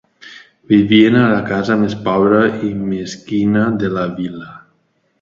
Vivien a la casa més pobra i mesquina de la vila.